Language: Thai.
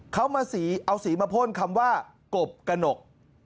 เขามาสีเอาสีมาพ่นคำว่ากบกระหนก